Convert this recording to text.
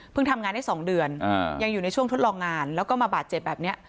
ทำงานได้๒เดือนยังอยู่ในช่วงทดลองงานแล้วก็มาบาดเจ็บแบบนี้